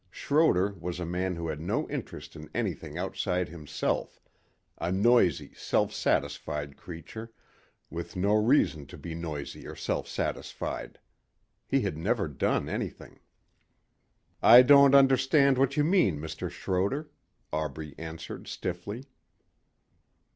Schroder was a man who had no interest in anything outside himself a noisy, self satisfied creature with no reason to be noisy or self satisfied. He had never done anything. "I don't understand what you mean, Mr. Schroder," Aubrey answered stiffly.